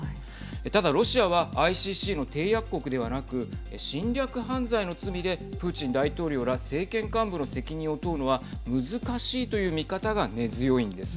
ただロシアはＩＣＣの締約国ではなく侵略犯罪の罪でプーチン大統領ら政権幹部の責任を問うのは難しいという見方が根強いんです。